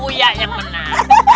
uya yang menang